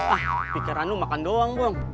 ah pikiran lu makan doang bun